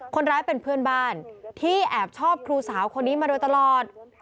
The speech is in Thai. คนร้ายเป็นเพื่อนบ้านที่แอบชอบครูสาวคนนี้มาโดยตลอด